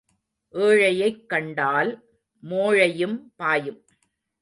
ஏழையைக் கண்டால் மோழையும் பாயும்.